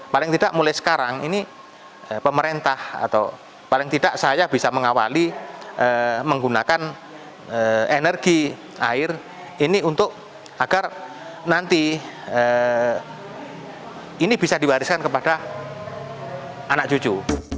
paling tidak mulai sekarang ini pemerintah atau paling tidak saya bisa mengawali menggunakan energi air ini untuk agar nanti ini bisa diwariskan kepada anak cucu